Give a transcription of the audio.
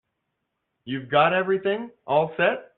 You've got everything all set?